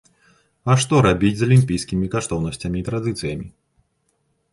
А што рабіць з алімпійскімі каштоўнасцямі і традыцыямі?